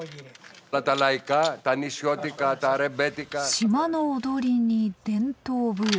島の踊りに伝統舞踊。